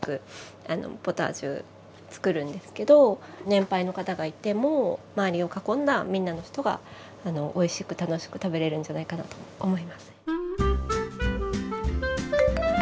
年配の方がいても周りを囲んだみんなの人がおいしく楽しく食べれるんじゃないかなと思います。